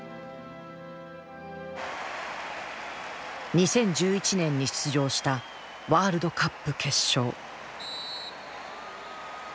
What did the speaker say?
２０１１年に出場したワールドカップ決勝。